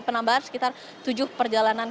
penambahan sekitar tujuh perjalanan